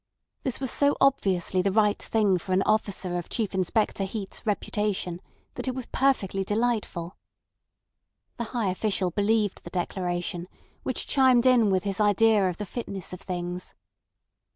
This was so obviously the right thing to say for an officer of Chief Inspector Heat's reputation that it was perfectly delightful. The high official believed the declaration, which chimed in with his idea of the fitness of things.